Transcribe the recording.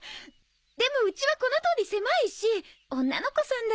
でもうちはこのとおり狭いし女の子さんだから。